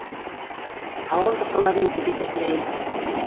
Ауылдыҡы ла мин тип иҫәпләйем